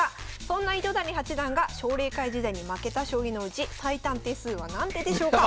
そんな糸谷八段が奨励会時代に負けた将棋のうち最短手数は何手でしょうか？